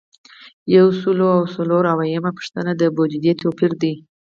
یو سل او څلور اویایمه پوښتنه د بودیجې توپیر دی.